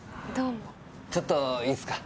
ちょっといいっすか？